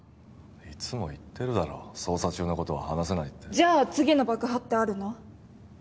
いつも言ってるだろ捜査中のことは話せないってじゃあ次の爆破ってあるの？